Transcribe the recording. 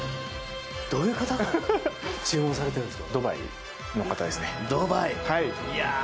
どういう方が注文されているんですか？